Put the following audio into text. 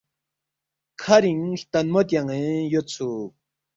کَھرِنگ ہلتنمو تیان٘ین یودسُوک